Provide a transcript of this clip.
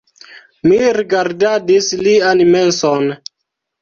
Mi rigardadis lian menson.